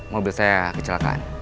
mobil saya kecelakaan